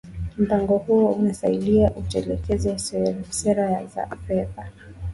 mpango huo unasaidia utekelezaji wa sera za fedha